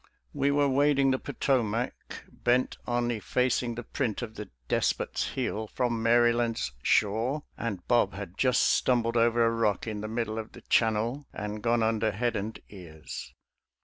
We were wading the Potomac, bent on effacing the print of the " despot's heel " from " Mary land's shore," and Bob had just stumbled over a rock in the middle of the channel and gone under, head and ears.